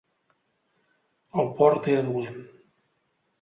El port era dolent.